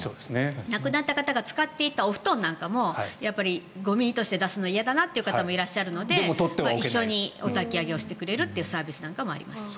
亡くなった方が使っていたお布団なんかもやっぱりゴミとして出すのは嫌だなという方もいらっしゃるので一緒におたき上げしてくれるサービスなんかもあります。